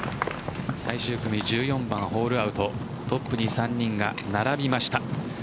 最終組１４番ホールアウトトップに３人が並びました。